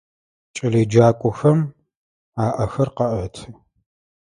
Кӏэлэеджакӏохэм аӏэхэр къаӏэты.